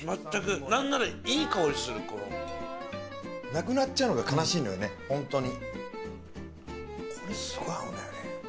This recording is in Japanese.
なくなっちゃうのが悲しいんだよね、本当に。